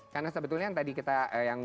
karena sebetulnya yang tadi kita yang